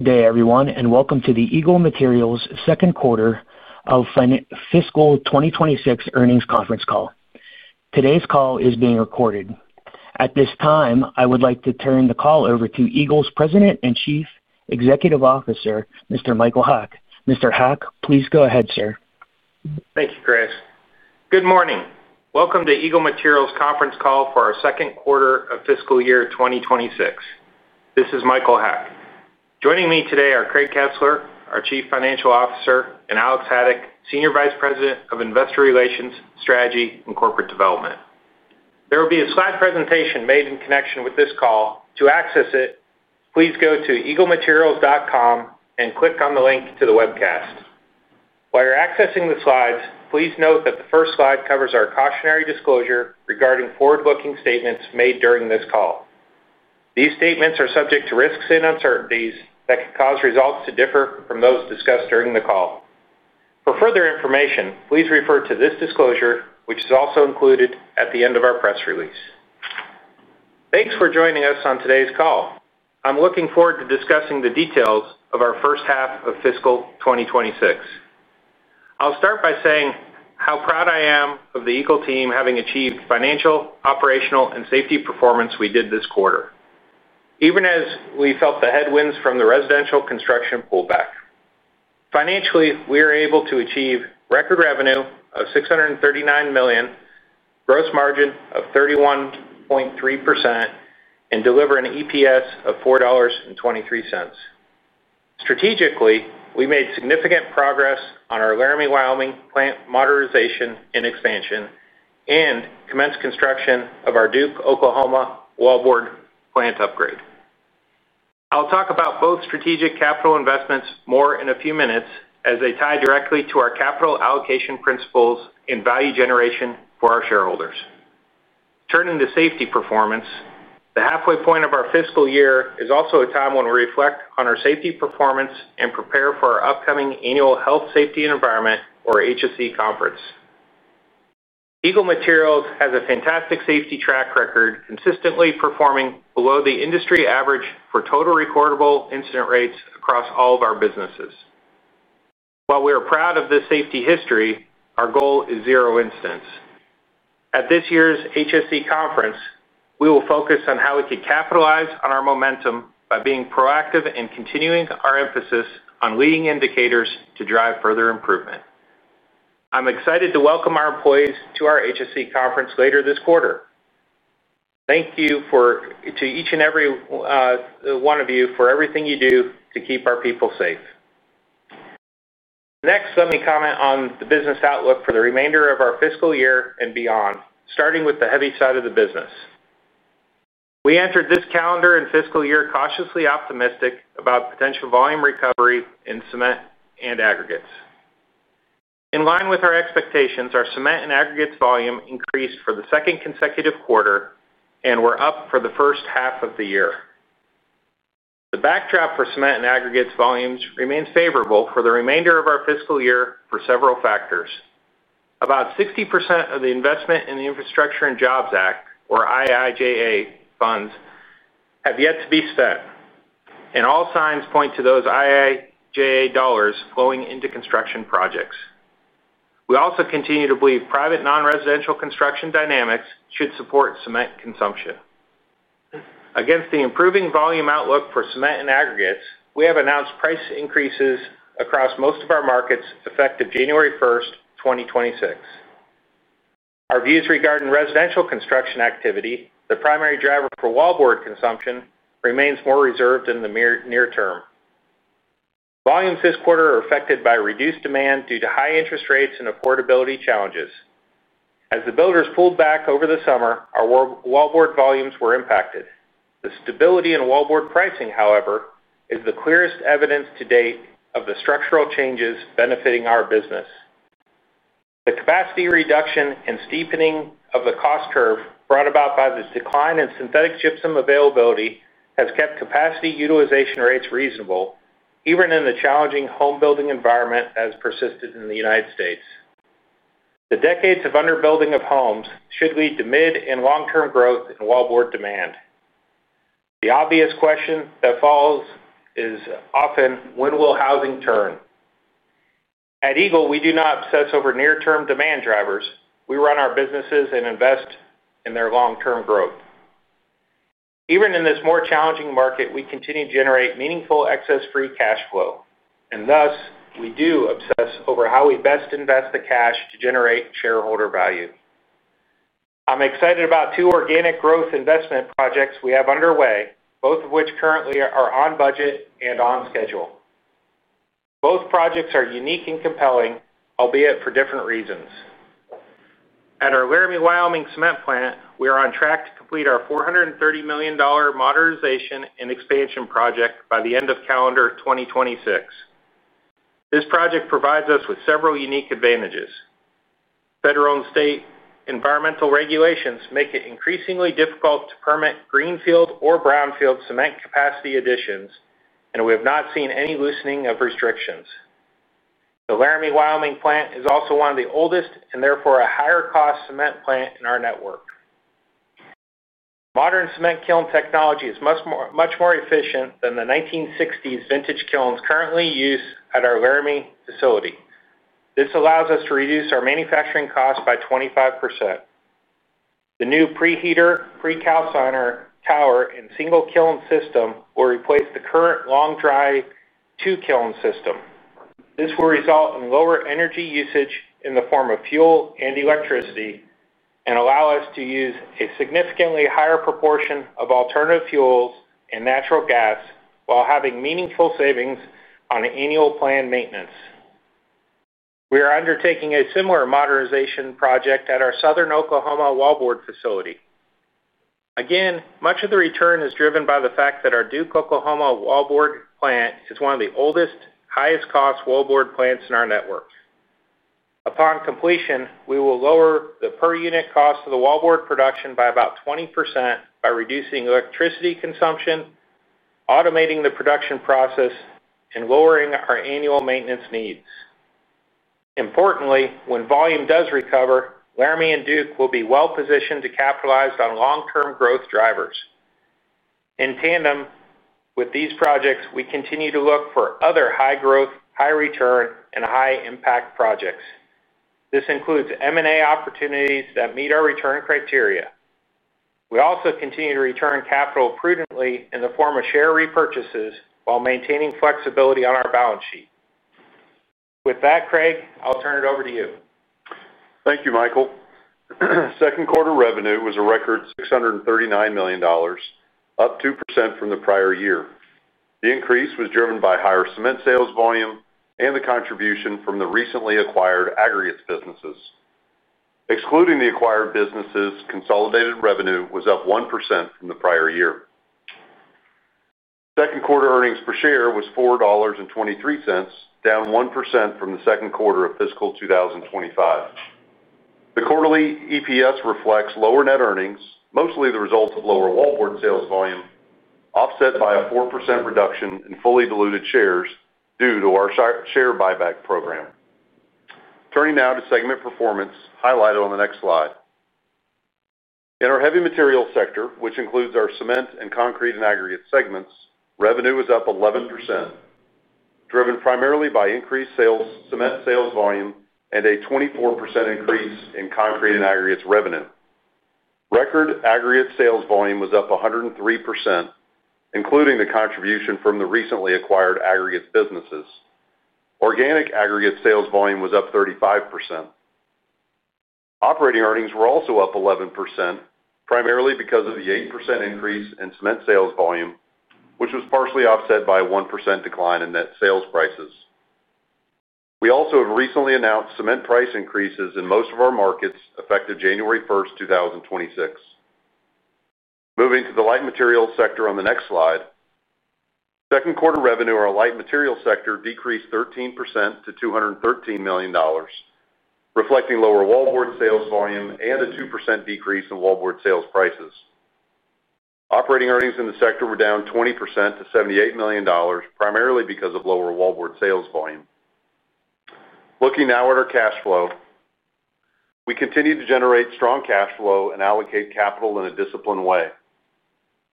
Good day everyone and welcome to the Eagle Materials second quarter of fiscal 2026 earnings conference call. Today's call is being recorded. At this time, I would like to turn the call over to Eagle's President and Chief Executive Officer, Mr. Michael Haack. Mr. Haack, please go ahead sir. Thank you Chris. Good morning. Welcome to Eagle Materials Conference call for our second quarter of fiscal year 2026. This is Michael Haack. Joining me today are Craig Kesler, our Chief Financial Officer, and Alex Haddock, Senior Vice President of Investor Relations, Strategy and Corporate Development. There will be a slide presentation made in connection with this call. To access it, please go to eaglematerials.com and click on the link to the webcast. While you're accessing the slides, please note that the first slide covers our cautionary disclosure regarding forward-looking statements made during this call. These statements are subject to risks and uncertainties that could cause results to differ from those discussed during the call. For further information, please refer to this disclosure, which is also included at the end of our press release. Thanks for joining us on today's call. I'm looking forward to discussing the details of our first half of fiscal 2026. I'll start by saying how proud I am of the Eagle team having achieved financial, operational, and safety performance we did this quarter even as we felt the headwinds from the residential construction pullback. Financially, we were able to achieve record revenue of $639 million, gross margin of 31.3% and deliver an EPS of $4.23. Strategically, we made significant progress on our Laramie, Wyoming plant modernization and expansion and commenced construction of our Duke, Oklahoma Wallboard plant upgrade. I'll talk about both strategic capital investments more in a few minutes as they tie directly to our capital allocation principles and value generation for our shareholders. Turning to safety performance, the halfway point of our fiscal year is also a time when we reflect on our safety performance and prepare for our upcoming annual Health, Safety, Environment or HSE conference. Eagle Materials has a fantastic safety track record, consistently performing below the industry average for total recordable incident rates across all of our businesses. While we are proud of this safety history, our goal is zero incidents. At this year's HSE Conference, we will focus on how we can capitalize on our momentum by being proactive and continuing our emphasis on leading indicators to drive further improvement. I'm excited to welcome our employees to our HSE Conference later this quarter. Thank you to each and every one of you for everything you do to keep our people safe. Next, let me comment on the business outlook for the remainder of our fiscal year and beyond. Starting with the heavy side of the business, we entered this calendar and fiscal year cautiously optimistic about potential volume recovery in Cement and Aggregates. In line with our expectations, our Cement and Aggregates volume increased for the second consecutive quarter and we're up for the first half of the year. The backdrop for Cement and Aggregates volumes remains favorable for the remainder of our fiscal year for several factors. About 60% of the investment in the Infrastructure and Jobs Act (IIJA) funds have yet to be spent and all signs point to those IIJA dollars flowing into construction projects. We also continue to believe private non-residential construction dynamics should support cement consumption. Against the improving volume outlook for Cement and Aggregates, we have announced price increases across most of our markets effective January 1st, 2026. Our views regarding residential construction activity, the primary driver for wallboard consumption, remains more reserved in the near term. Volumes this quarter are affected by reduced demand due to high interest rates and affordability challenges. As the builders pulled back over the summer, our Wallboard volumes were impacted. The stability in Wallboard pricing, however, is the clearest evidence to date of the structural changes benefiting our business. The capacity reduction and steepening of the cost curve brought about by this decline in synthetic gypsum availability has kept capacity utilization rates reasonable even in the challenging home building environment that has persisted in the United States. The decades of underbuilding of homes should lead to mid and long term growth in wallboard demand. The obvious question that follows is often when will housing turn at Eagle? We do not obsess over near term demand drivers. We run our businesses and invest in their long term growth. Even in this more challenging market, we continue to generate meaningful excess free cash flow and thus we do obsess over how we best invest the cash to generate shareholder value. I'm excited about two organic growth investment projects we have underway, both of which currently are on budget and on schedule. Both projects are unique and compelling, albeit for different reasons. At our Laramie, Wyoming Cement plant, we are on track to complete our $430 million modernization and expansion project by the end of calendar 2026. This project provides us with several unique advantages. Federal and state environmental regulations make it increasingly difficult to permit greenfield or brownfield cement capacity additions, and we have not seen any loosening of restrictions. The Laramie, Wyoming plant is also one of the oldest and therefore a higher cost cement plant in our network. Modern cement kiln technology is much more efficient than the 1960s vintage kilns currently used at our Laramie facility. This allows us to reduce our manufacturing costs by 25%. The new pre-heater, pre-calciner tower, and single kiln system will replace the current long dry two kiln system. This will result in lower energy usage in the form of fuel and electricity and allow us to use a significantly higher proportion of alternative fuels and natural gas while having meaningful savings on annual planned maintenance. We are undertaking a similar modernization project at our Southern Oklahoma Wallboard facility. Much of the return is driven by the fact that our Duke, Oklahoma Wallboard plant is one of the oldest, highest cost wallboard plants in our network. Upon completion, we will lower the per unit cost of the wallboard production by about 20% by reducing electricity consumption, automating the production process, and lowering our annual maintenance needs. Importantly, when volume does recover, Laramie and Duke will be well positioned to capitalize on long term growth drivers. In tandem with these projects, we continue to look for other high growth, high return, and high impact projects. This includes M&A opportunities that meet our return criteria. We also continue to return capital prudently in the form of share repurchases while maintaining flexibility on our balance sheet. With that, Craig, I'll turn it over to you. Thank you, Michael. Second quarter revenue was a record $639 million, up 2% from the prior year. The increase was driven by higher Cement sales volume and the contribution from the recently acquired Aggregates businesses. Excluding the acquired businesses, consolidated revenue was up 1% from the prior year. Second quarter earnings per share was $4.23, down 1% from the second quarter of fiscal 2025. The quarterly EPS reflects lower net earnings, mostly the result of lower Wallboard sales volume, offset by a 4% reduction in fully diluted shares due to our share buyback program. Turning now to segment performance highlighted on the next slide. In our heavy materials sector, which includes our Cement and Concrete and Aggregates segments, revenue was up 11%, driven primarily by increased Cement sales volume and a 24% increase in Concrete and Aggregates revenue. Record Aggregates sales volume was up 103%, including the contribution from the recently acquired Aggregates businesses. Organic Aggregates sales volume was up 35%. Operating earnings were also up 11%, primarily because of the 8% increase in Cement sales volume, which was partially offset by a 1% decline in net sales prices. We also have recently announced Cement price increases in most of our markets effective January 1st, 2026. Moving to the Light Materials sector on the next slide, second quarter revenue in our Light Materials sector decreased 13% to $213 million, reflecting lower Wallboard sales volume and a 2% decrease in Wallboard sales prices. Operating earnings in the sector were down 20% to $78 million, primarily because of lower Wallboard sales volume. Looking now at our cash flow, we continue to generate strong cash flow and allocate capital in a disciplined way.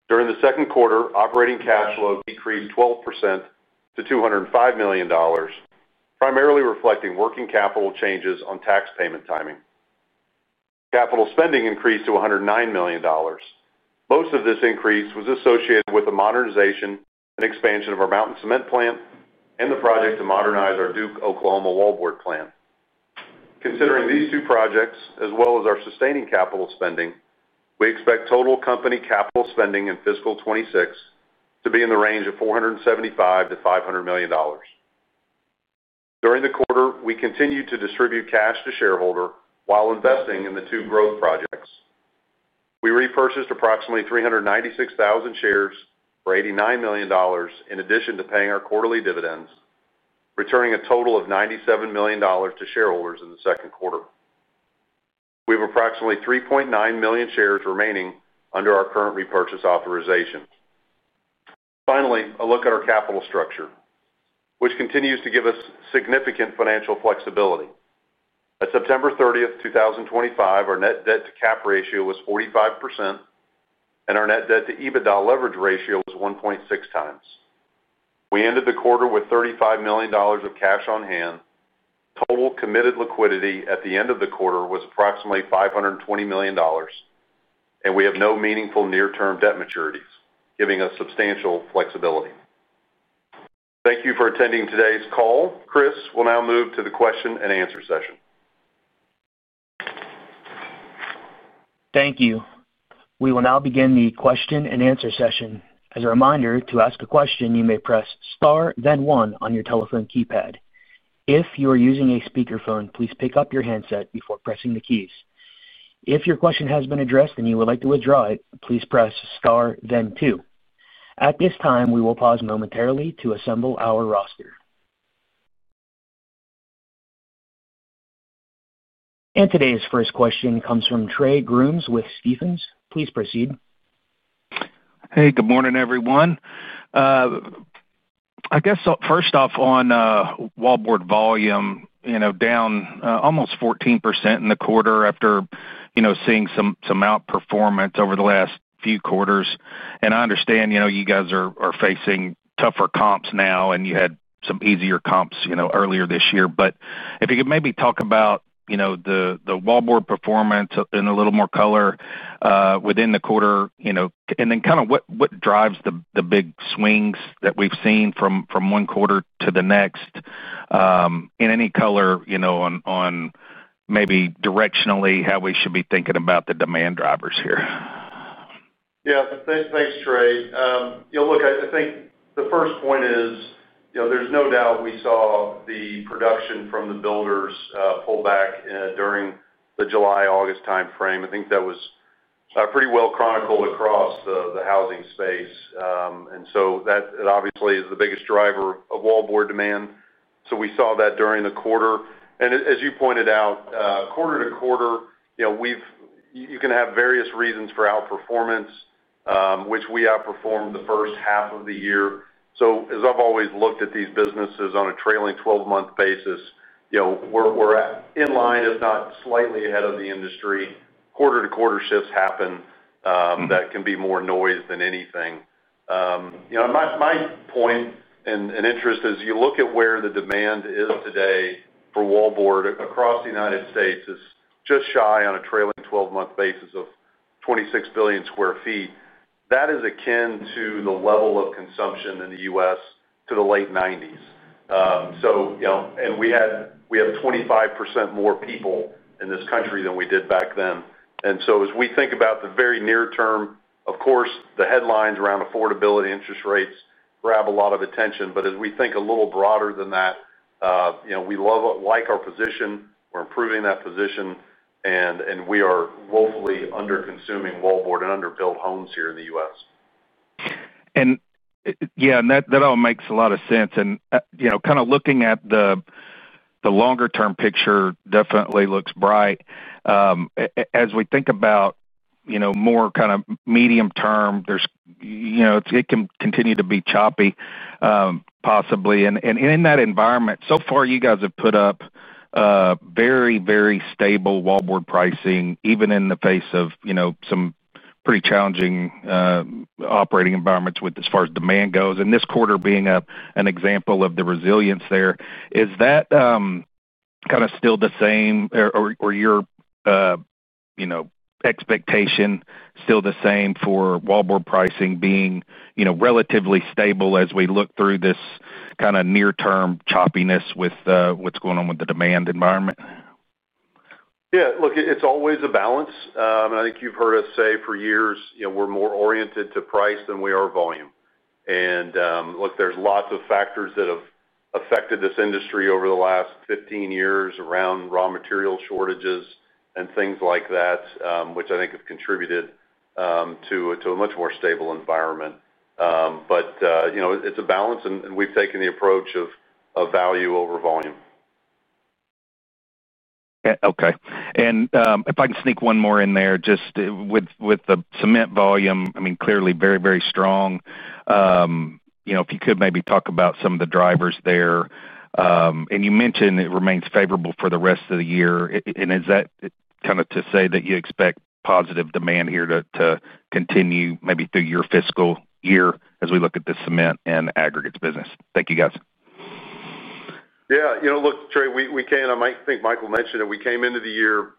During the second quarter, operating cash flow decreased 12% to $205 million, primarily reflecting working capital changes on tax payment timing. Capital spending increased to $109 million. Most of this increase was associated with the modernization and expansion of our Laramie Cement plant and the project to modernize our Duke, Oklahoma Wallboard facility. Considering these two projects as well as our sustaining capital spending, we expect total company capital spending in fiscal 2026 to be in the range of $475 million-$500 million. During the quarter, we continued to distribute cash to shareholders while investing in the two growth projects. We repurchased approximately 396,000 shares for $89 million in addition to paying our quarterly dividends, returning a total of $97 million to shareholders. In the second quarter, we have approximately 3.9 million shares remaining under our current repurchase authorization. Finally, a look at our capital structure, which continues to give us significant financial flexibility. At September 30th, 2025, our net debt to cap ratio was 45% and our net debt to EBITDA leverage ratio was 1.6x. We ended the quarter with $35 million of cash on hand. Total committed liquidity at the end of the quarter was approximately $520 million. We have no meaningful near term debt maturities, giving us substantial flexibility. Thank you for attending today's call. Chris will now move to the question and answer session. Thank you. We will now begin the question and answer session. As a reminder, to ask a question, you may press star then one on your telephone keypad. If you are using a speakerphone, please pick up your handset before pressing the keys. If your question has been addressed and you would like to withdraw it, please press star then two. At this time, we will pause momentarily to assemble our roster. Today's first question comes from Trey Grooms with Stephens. Please proceed. Hey, good morning everyone. I guess first off on Wallboard volume down almost 14% in the quarter after seeing some outperformance over the last few quarters. I understand you guys are facing tougher comps now and you had some easier comps earlier this year, but if you could maybe talk about the Wallboard performance in a little more color within the quarter and then kind of what drives the big swings that we've seen from quarter to quarter, any color on maybe directionally how we should be thinking about the demand drivers here. Yeah, thanks, Trey. Look, I think the first point is there's no doubt we saw the production from the builders pull back during the July, August timeframe. I think that was pretty well chronicled across the housing space. That obviously is the biggest driver of wallboard demand. We saw that during the quarter and as you pointed out quarter to quarter, you can have various reasons for outperformance, which we outperformed the first half of the year. As I've always looked at these businesses on a trailing twelve month basis, we're in line if not slightly ahead of the industry. Quarter to quarter shifts happen. That can be more noise than anything. My point and interest is you look at where the demand is today for wallboard across the United States is just shy on a trailing twelve month basis of 26 billion sq ft. That is akin to the level of consumption in the U.S. to the late 1990s. We have 25% more people in this country than we did back then. As we think about the very near term, of course the headlines around affordability, interest rates grab a lot of attention. As we think a little broader than that, we like our position, we're improving that position and we are woefully under consuming wallboard and under built homes here in the U.S. Yeah, that all makes a lot of sense and, you know, kind of looking at the longer term picture definitely looks bright. As we think about, you know, more kind of medium term, it can continue to be choppy possibly. In that environment so far you guys have put up very, very stable Wallboard pricing even in the face of, you know, some pretty challenging operating environments as far as demand goes and this quarter being up an example of the resilience there. Is that kind of still the same or your expectation still the same for Wallboard pricing being, you know, relatively stable as we look through this kind of near term choppiness with what's going on with the demand environment? Yeah, look, it's always a balance, and I think you've heard us say for years, you know, we're more oriented to price than we are volume. There's lots of factors that have affected this industry over the last 15 years around raw material shortages and things like that, which I think have contributed to a much more stable environment. It's a balance, and we've taken the approach of value over volume. Okay. If I can sneak one more in there just with the Cement volume, I mean, clearly very, very strong. If you could maybe talk about some of the drivers there, you mentioned it remains favorable for the rest of the year. Is that kind of to say that you expect positive demand here to continue maybe through your fiscal year as we look at the Cement and Aggregates business? Thank you, guys. Yeah, you know, look, Trey, we came, I think Michael mentioned it. We came into the year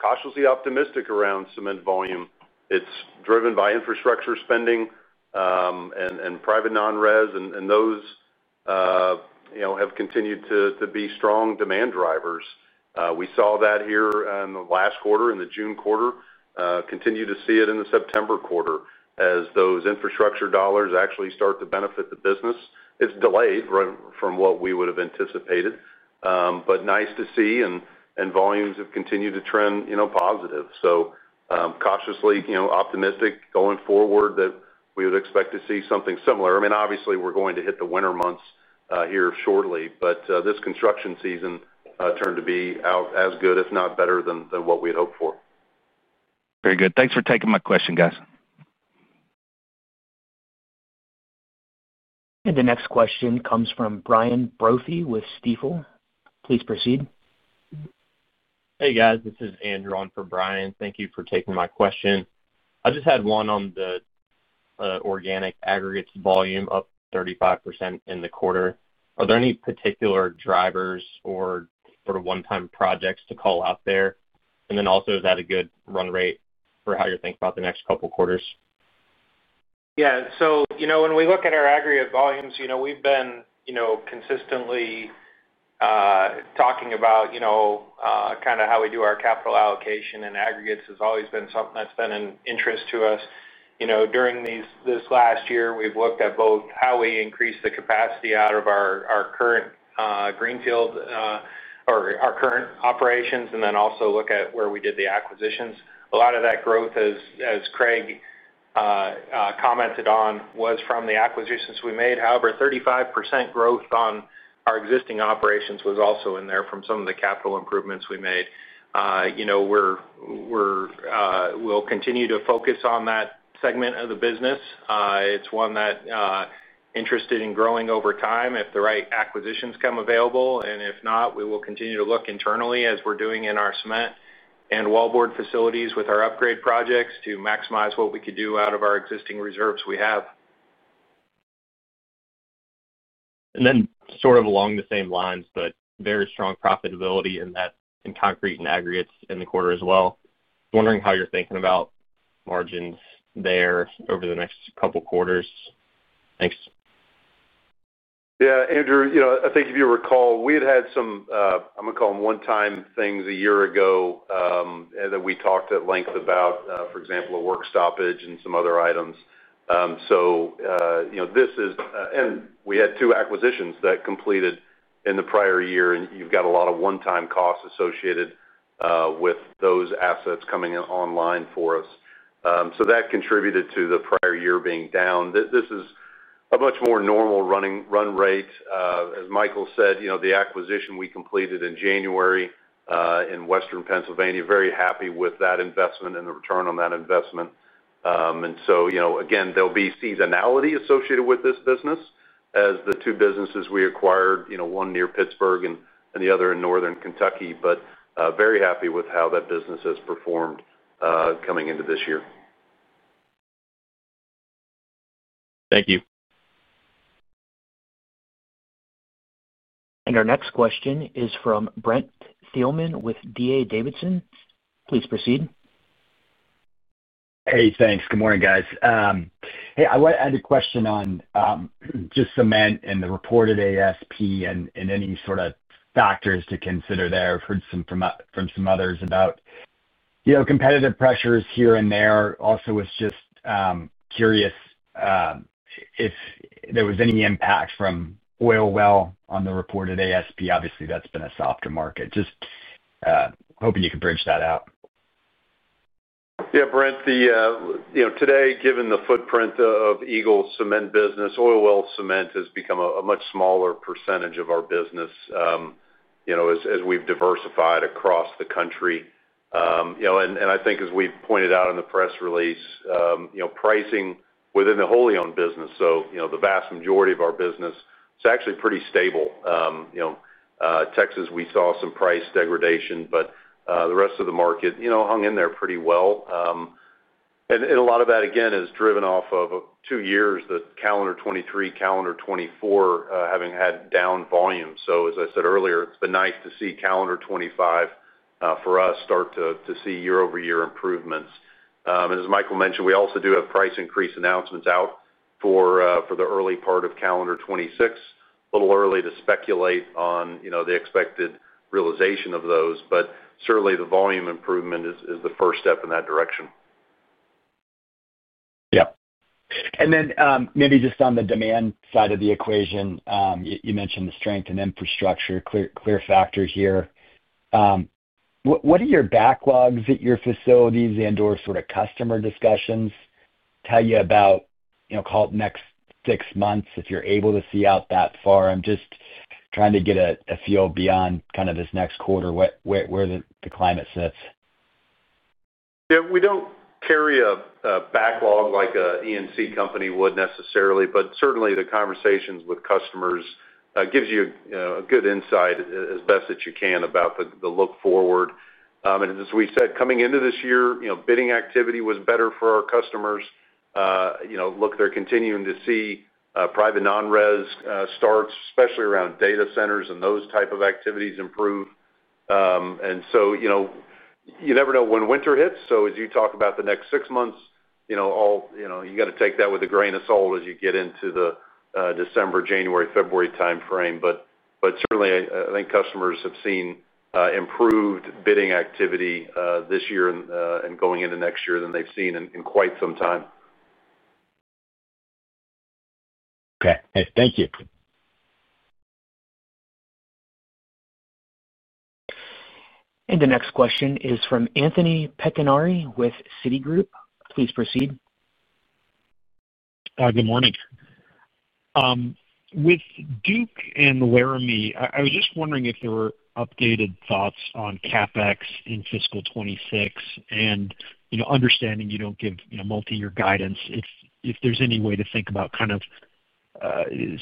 cautiously optimistic around Cement volume. It's driven by infrastructure spending and private non res, and those have continued to be strong demand drivers. We saw that here in the last quarter, in the June quarter, continue to see it in the September quarter as those infrastructure dollars actually start to benefit the business. It's delayed from what we would have anticipated, but nice to see, and volumes have continued to trend positive. Cautiously optimistic going forward that we would expect to see something similar. I mean, obviously we're going to hit the winter months here shortly, but this construction season turned to be out as good, if not better, than what we had hoped for. Very good. Thanks for taking my question, guys. The next question comes from Brian Brophy with Stifel. Please proceed. Hey guys, this is Andrew on for Brian. Thank you for taking my question. I just had one on the organic Aggregates volume up 35% in the quarter. Are there any particular drivers or sort of one time projects to call out there? Also, is that a good run rate for how you're thinking about the next couple quarters? Yeah. When we look at our Aggregate volumes, we've been consistently talking about kind of how we do our capital allocation, and Aggregates has always been something that's been an interest to us during this last year. We've looked at both how we increase the capacity out of our current greenfield or our current operations and then also look at where we did the acquisitions. A lot of that growth, as Craig commented on, was from the acquisitions we made. However, 35% growth on our existing operations was also in there from some of the capital improvements we made. We'll continue to focus on that segment of the business. It's one that we're interested in growing over time if the right acquisitions come available. If not, we will continue to look internally as we're doing in our Cement and Wallboard facilities with our upgrade projects to maximize what we could do out of our existing reserves we have. Along the same lines, very strong profitability in Concrete and Aggregates in the quarter as well. Wondering how you're thinking about margins there over the next couple quarters. Thanks. Yeah, Andrew, you know, I think if you recall we had had some, I'm going to call them one-time things a year ago that we talked at length about, for example, a work stoppage and some other items. This is, and we had two acquisitions that completed in the prior year and you've got a lot of one-time costs associated with those assets coming online for us. That contributed to the prior year being down. This is a much more normal run rate. As Michael said, the acquisition we completed in January in Western Pennsylvania, very happy with that investment and the return on that investment. There'll be seasonality associated with this business as the two businesses we acquired, one near Pittsburgh and the other in Northern Kentucky, but very happy with how that business has performed coming into this year. Thank you. Our next question is from Brent Thielman with D.A. Davidson. Please proceed. Hey, thanks. Good morning, guys. Hey. I want to add a question on just Cement and the reported ASP and any sort of factors to consider there. I've heard from some others about competitive pressures here and there. Also, was just curious if there was any impact from oil well on the reported ASP. Obviously, that's been a softer market. Just hoping you could bridge that out. Yeah, Brent, today, given the footprint of Eagle's Cement business, oil well cement has become a much smaller percentage of our business as we've diversified across the country. I think as we pointed out in the press release, pricing within the wholly owned business, the vast majority of our business is actually pretty stable. Texas, we saw some price degradation, but the rest of the market hung in there pretty well. A lot of that again is driven off of two years, the calendar 2023, calendar 2024 having had down volume. As I said earlier, it's been nice to see calendar 2025 for us start to see year over year improvements. As Michael mentioned, we also do have price increase announcements out for the early part of calendar 2026. It's a little early to speculate on the expected realization of those, but certainly the volume improvement is the first step in that direction. Yep. Maybe just on the demand side of the equation, you mentioned the strength in infrastructure. Clear factor here. What are your backlogs at your facilities and or sort of customer discussions tell you about, call it next six months if you're able to see out that far. I'm just trying to get a feel beyond kind of this next quarter where the climate sits. Yeah, we don't carry a backlog like an E&C company would necessarily. Certainly, the conversations with customers give you a good insight, as best that you can, about the look forward. As we said coming into this year, bidding activity was better for our customers. They're continuing to see private non-res starts, especially around data centers and those types of activities, improve. You never know when winter hits. As you talk about the next six months, you have to take that with a grain of salt as you get into the December, January, February timeframe. Certainly, I think customers have seen improved bidding activity this year and going into next year than they've seen in quite some time. Okay, thank you. The next question is from Anthony Petinari with Citigroup. Please proceed. Good morning with Duke and Laramie. I was just wondering if there were updated thoughts on capital expenditures in fiscal 2026 and understanding you don't give multi-year guidance, if there's any way to think about kind of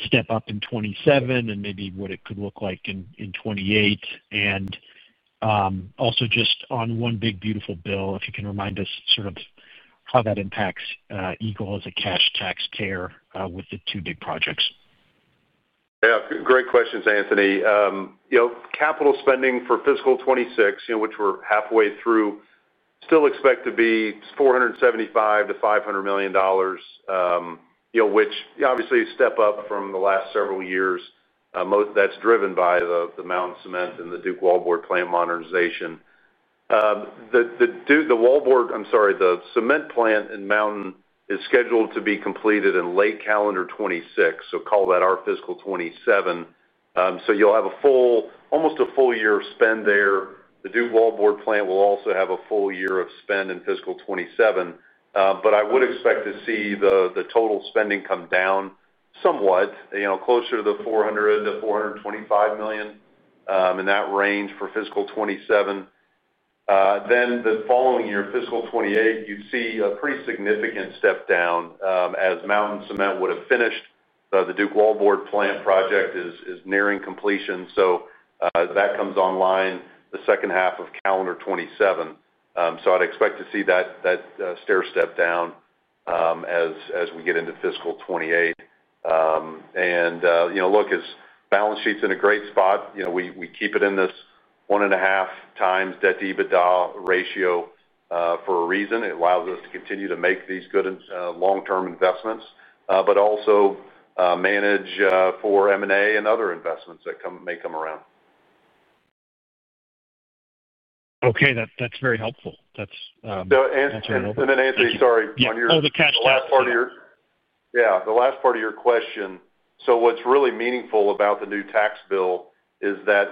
step up in 2027 and maybe what it could look like in 2028, and also just on one big beautiful bill if you can remind us sort of how that impacts Eagle as a cash taxpayer with the two big projects. Great questions, Anthony. Capital spending for fiscal 2026, which we're halfway through, still expect to be $475 million-$500 million, which is obviously a step up from the last several years. That's driven by the Mountain Cement and the Duke, Oklahoma Wallboard plant modernization. The cement plant in Mountain is scheduled to be completed in late calendar 2026, so call that our fiscal 2027. You'll have almost a full year of spend there. The Duke Wallboard plant will also have a full year of spend in fiscal 2027. I would expect to see the total spending come down somewhat, closer to the $400 million-$425 million range for fiscal 2027. The following year, fiscal 2028, you see a pretty significant step down as Mountain Cement would have finished. The Duke Wallboard plant project is nearing completion, so that comes online the second half of calendar 2027. I expect to see that stair step down as we get into fiscal 2028. You know, look, balance sheet's in a great spot. We keep it in this 1.5x net debt to EBITDA ratio for a reason. It allows us to continue to make these good long-term investments but also manage for M&A and other investments that may come around. Okay, that's very helpful. Anthony, sorry on your last part of your question. What's really meaningful about the new tax bill is that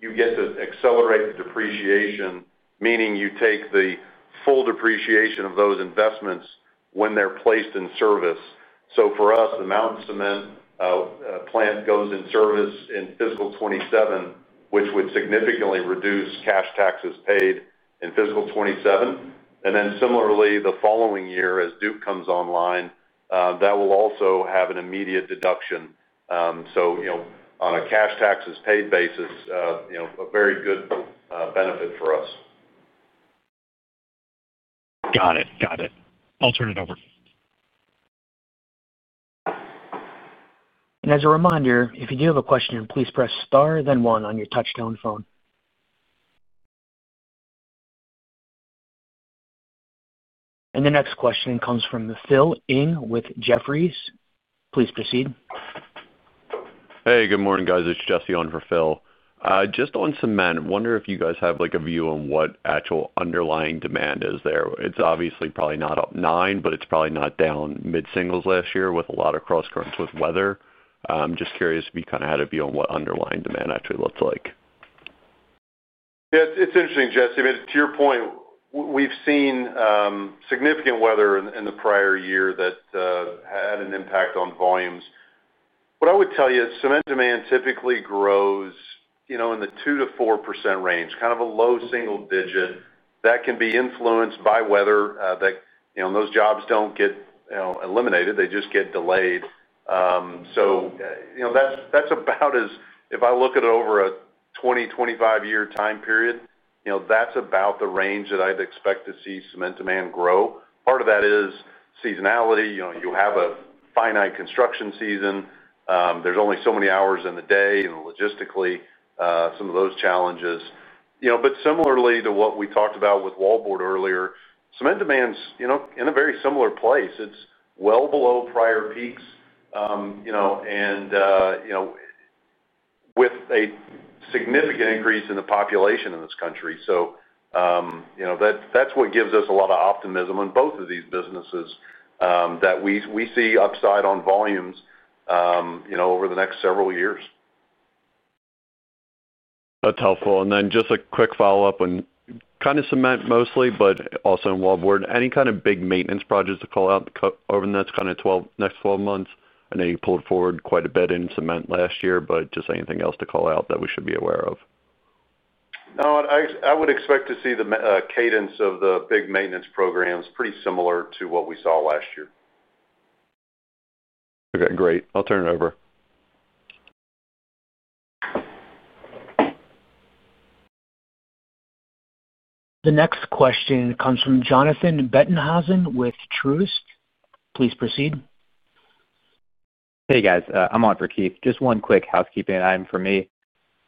you get to accelerate the depreciation, meaning you take the full depreciation of those investments when they're placed in service. For us, the Mountain Cement plant goes in service in fiscal 2027, which would significantly reduce cash taxes paid in fiscal 2027. Similarly, the following year as the Duke Wallboard facility comes online, that will also have an immediate deduction. On a cash taxes paid basis, it's a very good benefit for us. Got it, got it. I'll turn it over. As a reminder, if you do have a question, please press star then one on your touchtone phone. The next question comes from Phil Ng with Jefferies. Please proceed. Hey, good morning guys. It's Jesse on for Phil, just on Cement. Wonder if you guys have a view on what actual underlying demand is there. It's obviously probably not up 9%, but it's probably not down mid singles last year with a lot of cross currents with weather. I'm just curious if you kind of had a view on what underlying demand actually looks like. Yes, it's interesting, Jesse, to your point, we've seen significant weather in the prior year that had an impact on volumes. What I would tell you, cement demand typically grows in the 2%-4% range, kind of a low single digit that can be influenced by weather. Those jobs don't get eliminated, they just get delayed. If I look at it over a 20, 25 year time period, that's about the range that I'd expect to see cement demand grow. Part of that is seasonality. You have a finite construction season. There's only so many hours in the day. Logistically, some of those challenges. Similarly to what we talked about with Wallboard earlier, cement demand is in a very similar place. It's well below prior peaks and with a significant increase in the population in this country. That gives us a lot of optimism on both of these businesses, that we see upside on volumes over the next several years. That's helpful. Just a quick follow up on kind of Cement mostly, but also in Wallboard. Any kind of big maintenance to call out over the next 12 months? I know you pulled forward quite a bit in Cement last year, but just anything else to call out that we should be aware of? Should be aware of? I would expect to see the cadence of the big maintenance programs, pretty similar to what we saw last year. Okay, great. I'll turn it over. The next question comes from Jonathan Bettenhausen with Truist. Please proceed. Hey, guys, I'm on for Keith. Just one quick housekeeping item for me.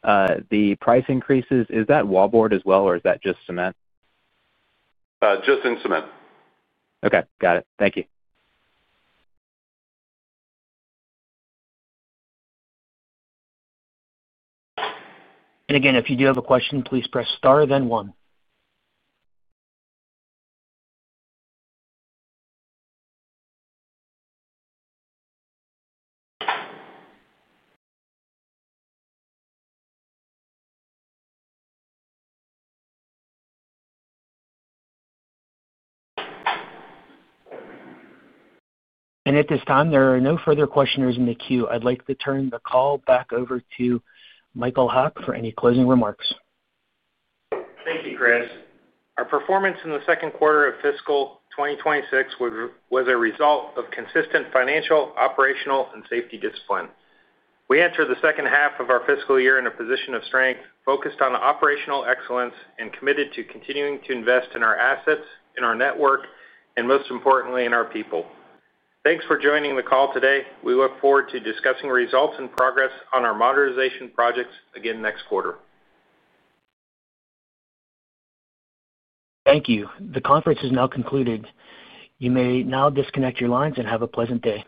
The price increases. Is that Wallboard as well, or is that just Cement? Just in Cement. Okay, got it. Thank you. If you do have a question, please press star then one. At this time, there are no further questioners in the queue. I'd like to turn the call back over to Michael Haack for any closing remarks. Thank you, Chris. Our performance in the second quarter of fiscal 2026 was a result of consistent financial, operational, and safety discipline. We entered the second half of our fiscal year in a position of strength, focused on operational excellence and committed to continuing to invest in our assets, in our network, and most importantly, in our people. Thanks for joining the call today. We look forward to discussing results and progress on our modernization projects again next quarter. Thank you. The conference has now concluded. You may now disconnect your lines and have a pleasant day.